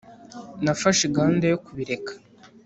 nafashe gahunda yo kubireka